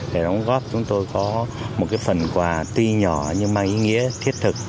để đóng góp chúng tôi có một phần quà tuy nhỏ nhưng mang ý nghĩa thiết thực